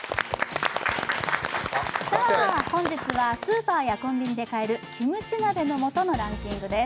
本日はスーパーやコンビニで買えるキムチ鍋の素のラヴィット！